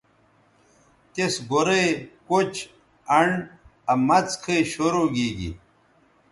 تِس گورئ، کُچ، انڈ آ مڅ کھئ سو کوشش گی